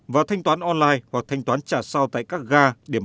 và thanh toán online hoặc thanh toán trả sau tại các game